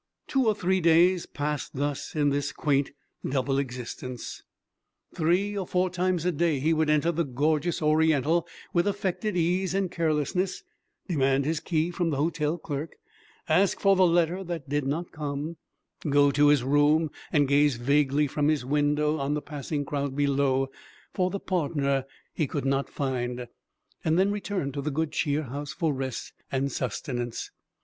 Two or three days passed thus in this quaint double existence. Three or four times a day he would enter the gorgeous Oriental with affected ease and carelessness, demand his key from the hotel clerk, ask for the letter that did not come, go to his room, gaze vaguely from his window on the passing crowd below for the partner he could not find, and then return to the Good Cheer House for rest and sustenance.